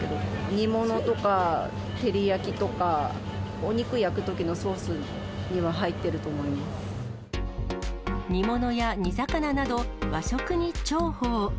煮物とか照り焼きとか、お肉焼くときのソースには入ってると思い煮物や煮魚など、和食に重宝。